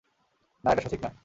না, এটা সঠিক না।